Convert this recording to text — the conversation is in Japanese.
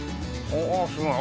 おおっすごい。